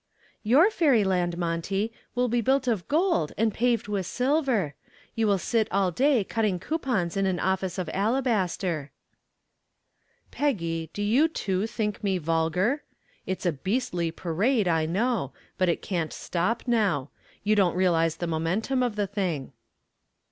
"Your fairyland, Monty, will be built of gold and paved with silver. You will sit all day cutting coupons in an office of alabaster." "Peggy, do you too think me vulgar? It's a beastly parade, I know, but it can't stop now. You don't realize the momentum of the thing."